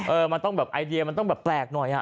เออมันต้องแบบไอเดียมันต้องแบบแปลกหน่อย